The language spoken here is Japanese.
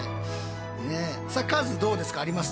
さあカズどうですかあります？